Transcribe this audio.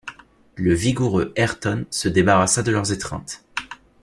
Le vigoureux Ayrton se débarrassa de leurs étreintes